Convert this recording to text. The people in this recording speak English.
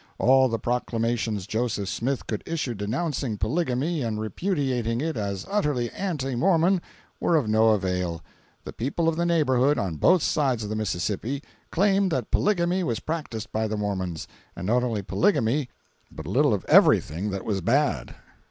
All the proclamations Joseph Smith could issue denouncing polygamy and repudiating it as utterly anti Mormon were of no avail; the people of the neighborhood, on both sides of the Mississippi, claimed that polygamy was practised by the Mormons, and not only polygamy but a little of everything that was bad.